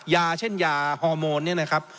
ยาเช่นยาฮอร์โมนเนี่ยนะครับ